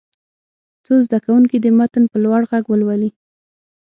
څو زده کوونکي دې متن په لوړ غږ ولولي.